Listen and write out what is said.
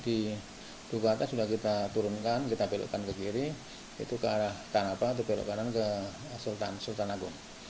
di duku atas sudah kita turunkan kita belokkan ke kiri itu ke arah atau belok kanan ke sultan agung